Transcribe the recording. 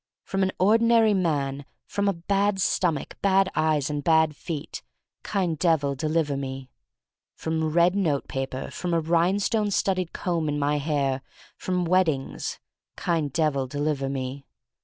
From an ordinary man; from a bad stomach, bad eyes, and bad feet: Kind Devil, deliver me. From red note paper; from a rhine stone studded comb in my hair; from weddings: Kind Devil, deliver me.